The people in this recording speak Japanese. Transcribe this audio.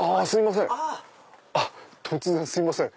あっ突然すいません。